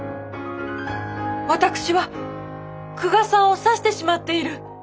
私は久我さんを刺してしまっている。